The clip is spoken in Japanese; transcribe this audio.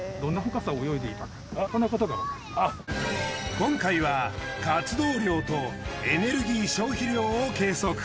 今回は活動量とエネルギー消費量を計測。